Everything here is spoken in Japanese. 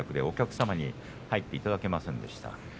お客様に入っていただけませんでした。